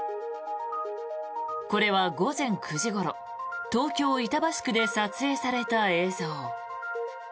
これは午前９時ごろ東京・板橋区で撮影された映像。